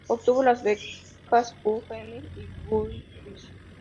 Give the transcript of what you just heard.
Obtuvo las becas Guggenheim y Fulbright.